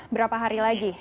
berapa hari lagi